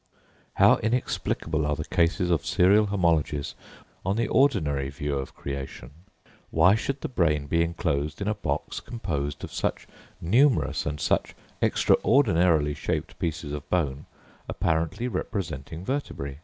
How inexplicable are the cases of serial homologies on the ordinary view of creation! Why should the brain be enclosed in a box composed of such numerous and such extraordinarily shaped pieces of bone apparently representing vertebræ?